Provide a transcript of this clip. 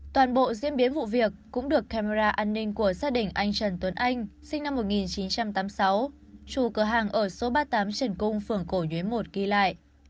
toàn bộ diễn biến vụ việc cũng được camera an ninh của gia đình anh trần tuấn anh sinh năm một nghìn chín trăm tám mươi sáu chủ cửa hàng ở số ba mươi tám trần cung phường cổ nhuế một ghi lại